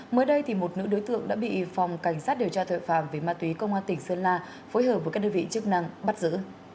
mới đây một nữ đối tượng đã bị phòng cảnh sát điều tra tội phạm về ma túy công an tỉnh sơn la phối hợp với các đơn vị chức năng bắt giữ